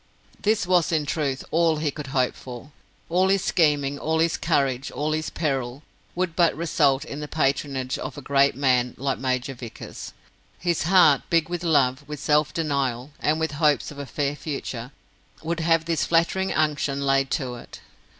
This was in truth all he could hope for. All his scheming, all his courage, all his peril, would but result in the patronage of a great man like Major Vickers. His heart, big with love, with self denial, and with hopes of a fair future, would have this flattering unction laid to it.